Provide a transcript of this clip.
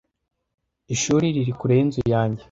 Ishuri riri kure yinzu yanjye.